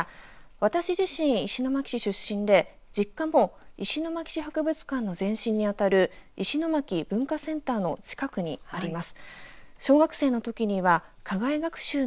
私自身、石巻市出身で実家も石巻市博物館の前身に当たる石巻文化センターの近くにあります。